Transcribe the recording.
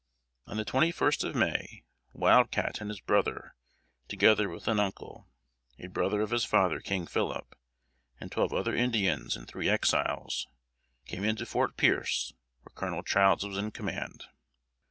On the twenty first of May, Wild Cat and his brother, together with an uncle, a brother of his father King Philip, and twelve other Indians and three Exiles, came into Fort Pearce, where Colonel Childs was in command.